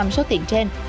một mươi hai số tiền trên